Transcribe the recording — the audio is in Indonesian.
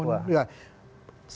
tidak di papua